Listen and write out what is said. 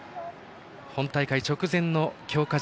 本大会直前の強化